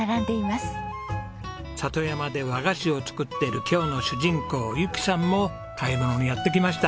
里山で和菓子を作っている今日の主人公由紀さんも買い物にやって来ました。